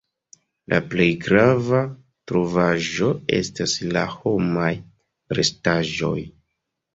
La plej grava trovaĵo estas la homaj restaĵoj.